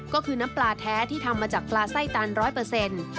ก็คือน้ำปลาแท้ที่ทำมาจากปลาไส้ตัน๑๐๐